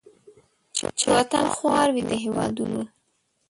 چې وطن خوار وي د هیوادونو